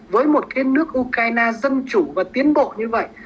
với một cái nước ukraine dân chủ và tiến bộ như vậy